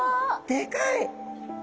でかい。